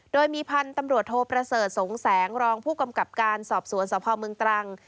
โดยมีพันธุ์ตำรวจโทประเสริฐสงแสงรองผู้กำกับการสอบสวนสพเมืองตรัง